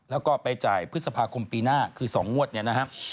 แล้วก็ไปจ่ายพฤษภาคมปีหน้าคือ๒งวดเนี่ยนะครับ